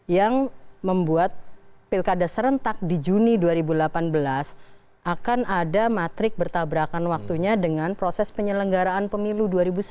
yang membuat pilkada serentak di juni dua ribu delapan belas akan ada matrik bertabrakan waktunya dengan proses penyelenggaraan pemilu dua ribu sembilan belas